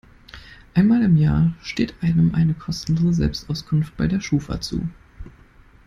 Einmal im Jahr steht einem eine kostenlose Selbstauskunft bei der Schufa zu.